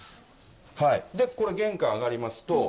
これ玄関上がりますと。